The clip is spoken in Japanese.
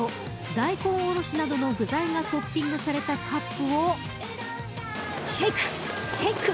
大根おろしなどの具材がトッピングされたカップをシェイク、シェイク。